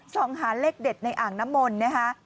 ส่องหาเลขเด็ดในอ่างน้ำมนต์นะคะ